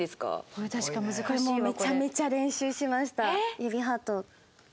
これめちゃめちゃ練習しました。